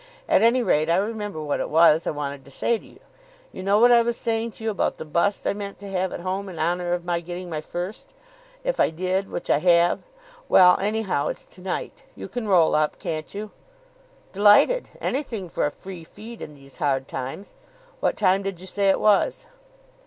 At any rate, I remember what it was I wanted to say to you. You know what I was saying to you about the bust I meant to have at home in honour of my getting my first, if I did, which I have well, anyhow it's to night. You can roll up, can't you?" "Delighted. Anything for a free feed in these hard times. What time did you say it was?"